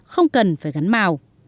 không cần phải gắn màu